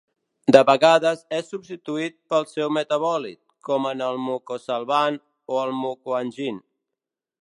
De vegades és substituït pel seu metabòlit, com en el Mucosolvan o el Mucoangin.